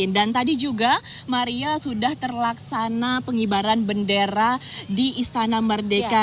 dan tadi juga maria sudah terlaksana pengibaran bendera di istana merdeka